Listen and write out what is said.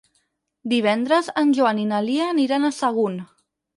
Divendres en Joan i na Lia aniran a Sagunt.